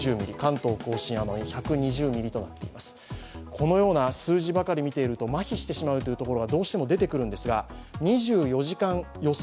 このような数字ばかり見ているとまひしてしまうというところはどうしても出てくるんですが２４時間予想